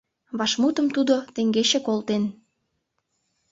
Вашмутым тудо теҥгече колтен.